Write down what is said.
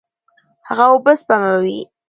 هغه اوبه سپموي.